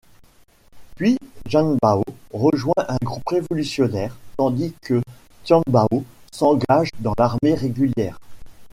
Puis Junbao rejoint un groupe révolutionnaire, tandis que Tianbao s'engage dans l'armée régulière.